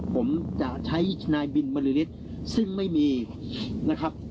ผมจะใช้นายบินบริฤทธิ์ซึ่งไม่มีนะครับ